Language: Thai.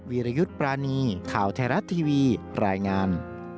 วิรยุทธ์ปรานีข่าวไทยรัฐทีวีรายงาน